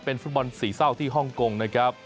เป็นฟุตบอลสี่เศร้าที่ฮ่องกงนะครับ